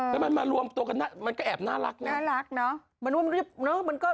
แล้วมันมารวมตัวกันมันก็แอบน่ารักน่ะน่ารักเนอะมันว่ามันก็หาที่ที่ต่อไป